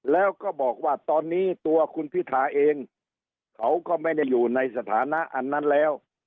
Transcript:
แล้วก็บอกว่าตอนนี้ตัวคุณพิธาเองเขาก็ไม่ได้อยู่ในสถานะอันนั้นแล้ว